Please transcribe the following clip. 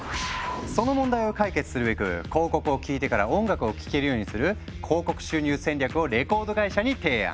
その問題を解決するべく広告を聞いてから音楽を聴けるようにする「広告収入戦略」をレコード会社に提案。